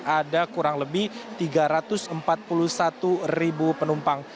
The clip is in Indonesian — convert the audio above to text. ada kurang lebih tiga ratus empat puluh satu ribu penumpang